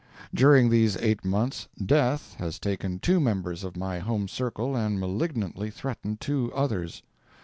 During these eight months death has taken two members of my home circle and malignantly threatened two others.